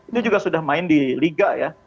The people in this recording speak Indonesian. mereka sudah main di liga ya